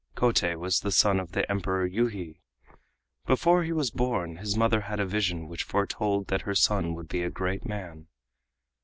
Kotei was the son of the Emperor Yuhi. Before he was born his mother had a vision which foretold that her son would be a great man.